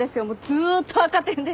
ずーっと赤点で。